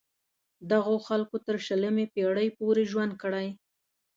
دغو خلکو تر شلمې پیړۍ پورې ژوند کړی.